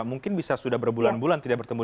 mungkin bisa sudah berbulan bulan tidak bertemu